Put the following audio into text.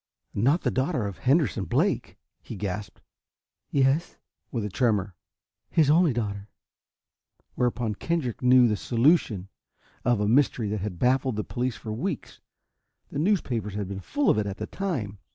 "Not the daughter of Henderson Blake?" he gasped. "Yes," with a tremor, "his only daughter." Whereupon Kendrick knew the solution of a mystery that had baffled the police for weeks. The newspapers had been full of it at the time.